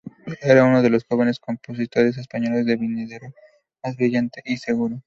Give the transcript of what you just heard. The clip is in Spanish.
Era uno de los jóvenes compositores españoles de venidero más brillante y seguro.